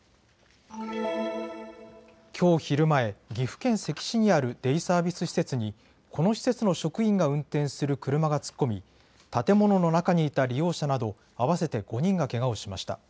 きょう昼前、岐阜県関市にあるデイサービス施設にこの施設の職員が運転する車が突っ込み建物の中にいた利用者など合わせて５人がけがをしました。